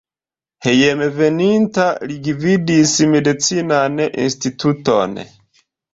Hejmenveninta li gvidis medicinan instituton.